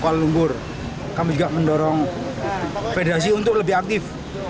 kualifikasi pihak dunia di jawa timur kami juga mendorong federasi untuk lebih aktif